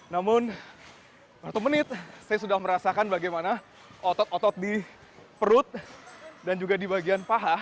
namun satu menit saya sudah merasakan bagaimana otot otot di perut dan juga di bagian paha